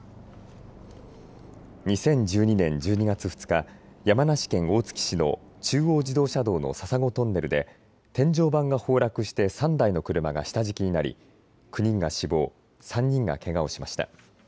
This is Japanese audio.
２０１２年１２月２日、山梨県大月市の中央自動車道の笹子トンネルで天井板が崩落して３台の車が下敷きになり９人が死亡、３人がけがをしました。